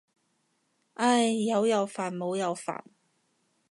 唉，有又煩冇又煩。